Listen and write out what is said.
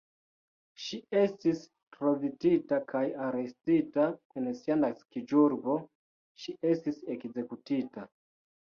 Ŝi estis trovita kaj arestita, en sia naskiĝurbo ŝi estis ekzekutita.